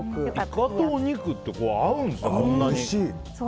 イカとお肉って合うんですね。